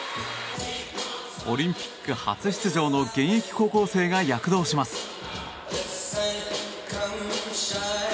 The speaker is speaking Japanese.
オリンピック初出場の現役高校生が躍動します。